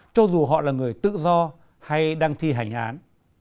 cho dù họ là người tự do hay đang thi hành án